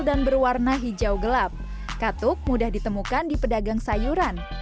dan berwarna hijau gelap katuk mudah ditemukan di pedagang sayuran berbeda dengan katuk kecil